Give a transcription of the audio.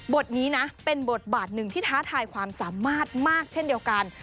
นี้นะเป็นบทบาทหนึ่งที่ท้าทายความสามารถมากเช่นเดียวกัน